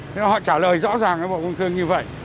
thế mà họ trả lời rõ ràng với bộ công thương như vậy